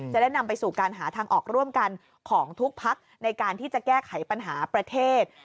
จะได้นำไปสู่การหาทางออกร่วมกันของทุกพักในการที่จะแก้ไขปัญหาประเทศ